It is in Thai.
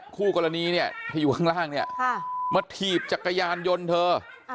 คู่กรณีห้างมาถีบจักรยานยนต์นี่